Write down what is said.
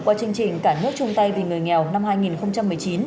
qua chương trình cả nước chung tay vì người nghèo năm hai nghìn một mươi chín